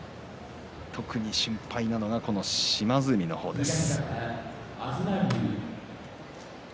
特に心配なのはこの島津海の方です。